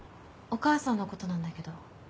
お母さんのことなんだけど。